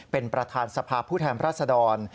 เป็นประธานสภาพผู้แทนรัศดร